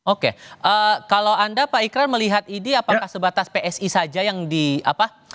oke kalau anda pak ikrar melihat ini apakah sebatas psi saja yang di apa